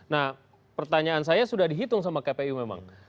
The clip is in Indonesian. nah pertanyaan saya sudah dihitung sama kpu memang